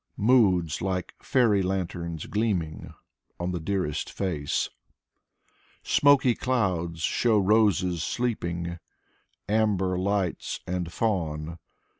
Moods like faery lanterns gleaming On the dearest face. Smoky clouds show roses sleeping, Amber lights and fawn.